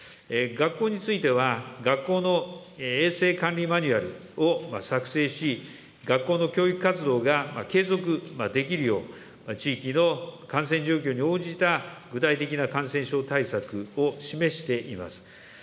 学校については、学校の衛生管理マニュアルを作成し、学校の教育活動が継続できるよう、地域の感染状況に応じた具体的な感染症対策を示しています。